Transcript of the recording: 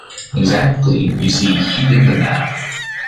Exactly, you see, he did the math.